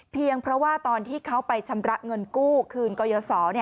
เพราะว่าตอนที่เขาไปชำระเงินกู้คืนกรยศ